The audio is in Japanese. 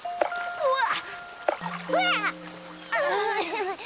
うわっ！